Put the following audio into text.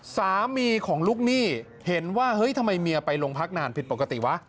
สามีของลูกหนี้เห็นว่าเฮ้ยทำไมเมียไปโรงพักนานผิดปกติวะ